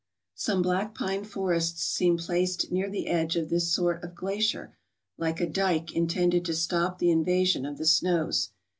Some black pine forests seem placed near the edge of this sort of glacier like a dyke intended to stop the invasion of the snows.